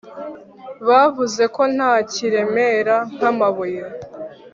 bavuze ko nta kiremera nk'amabuye